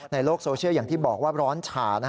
ในโลกโซเชียลอย่างที่บอกว่าร้อนฉ่า